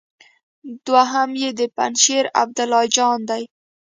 دوهم يې د پنجشېر عبدالله جان دی.